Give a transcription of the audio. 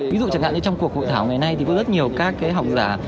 ví dụ chẳng hạn như trong cuộc hội thảo ngày nay thì có rất nhiều các học giả